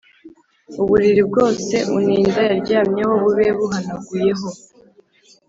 Uburiri bwose uninda yaryamyeho bube buhanaguyeho